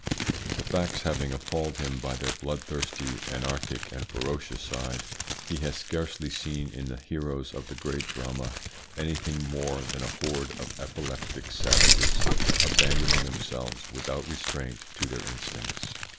The facts having appalled him by their bloodthirsty, anarchic, and ferocious side, he has scarcely seen in the heroes of the great drama anything more than a horde of epileptic savages abandoning themselves without restraint to their instincts.